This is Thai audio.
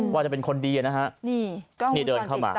ว่าจะเป็นคนดีนะฮะนี่เดินเข้ามา